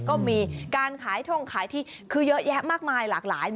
ก็มีการขายท่องขายที่คือเยอะแยะมากมายหลากหลาย